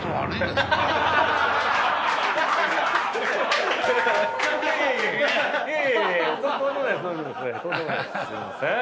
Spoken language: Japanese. すいません。